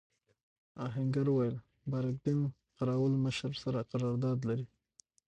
آهنګر وویل بارک دین قراوول مشر سره قرارداد لري.